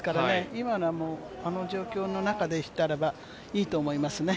今のはもう、あの状況の中でしたらいいと思いますね。